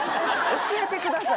教えてください。